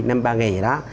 năm ba ngày rồi đó